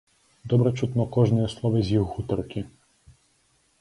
Добра чутно кожнае слова з іх гутаркі.